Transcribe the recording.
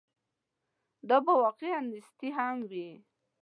دا به واقعاً نیستي هم وي.